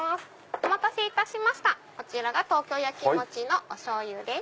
お待たせいたしましたこちらが東京やきもちのおしょうゆです。